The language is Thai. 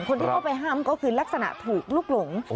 คนที่เข้าไปห้ามก็คือลักษณะถูกลุกหลง